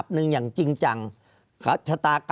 ภารกิจสรรค์ภารกิจสรรค์